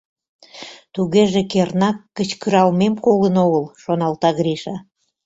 «Тугеже кернак кычкыралмем колын огыл», — шоналта Гриша.